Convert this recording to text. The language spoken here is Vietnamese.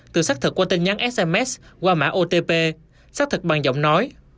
từ xác thực qua tên nhắn sms qua mã otp xác thực bằng giọng nói